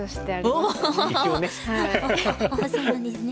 そうなんですね。